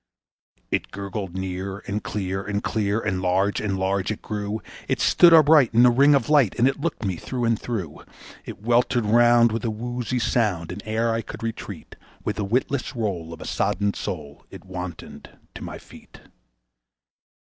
It gurgled near, and clear and clear and large and large it grew; It stood upright in a ring of light and it looked me through and through. It weltered round with a woozy sound, and ere I could retreat, With the witless roll of a sodden soul it wantoned to my feet.